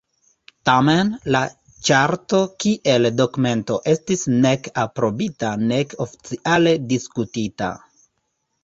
Tamen, la Ĉarto kiel dokumento estis nek aprobita nek oficiale diskutita.